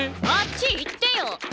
あっち行ってよ！